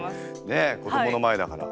ねえ子どもの前だから。